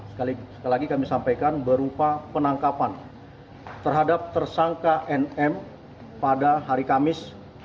sekali lagi kami sampaikan berupa penangkapan terhadap tersangka nm pada hari kamis